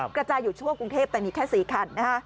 กระจายอยู่ทั่วกรุงเทพแต่มีแค่๔คัน